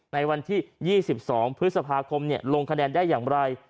ในวันที่๒๒พฤษภาคมลงคะแนนได้อย่างไร